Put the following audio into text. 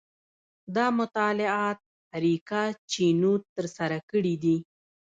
دا مطالعات اریکا چینوت ترسره کړي دي.